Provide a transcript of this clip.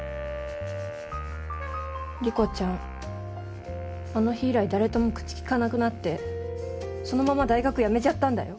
理子ちゃんあの日以来誰とも口きかなくなってそのまま大学辞めちゃったんだよ。